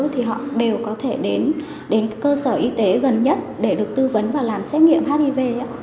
thì họ đều có thể đến cơ sở y tế gần nhất để được tư vấn và làm xét nghiệm hiv